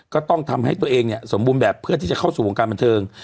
ก็ต้องทำให้ตัวเองเนี่ยสมบูรณ์แบบเพื่อที่จะเข้าสู่วงการบันเทิง